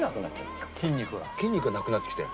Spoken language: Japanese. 筋肉がなくなってきて。